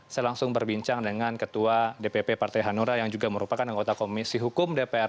saya langsung berbincang dengan ketua dpp partai hanura yang juga merupakan anggota komisi hukum dpr